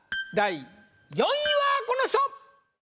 第４位はこの人！